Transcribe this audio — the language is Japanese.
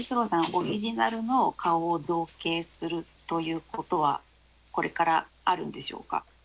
オリジナルの顔を造形するということはこれからあるんでしょうか？